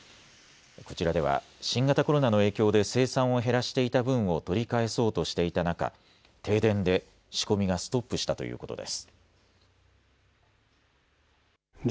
こちらでは新型コロナの影響で生産を減らしていた分を取り返そうとしていた中、停電で仕込みがストップしたということです。